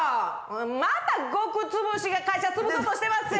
また穀潰しが会社潰そうとしてまっせ。